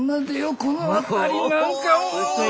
この辺りなんかもう。